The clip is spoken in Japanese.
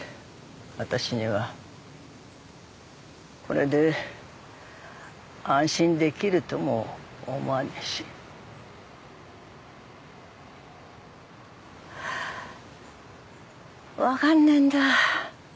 私にはこれで安心できるとも思わねえしわかんねえんだ